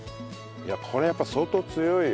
いやこれやっぱ相当強いよ。